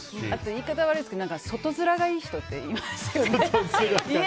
言い方悪いですけど外面がいい人っていますよね。